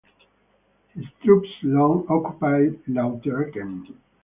His troops long occupied Lauterecken.